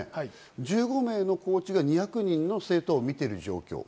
１５名のコーチが２００人の生徒をみている状況。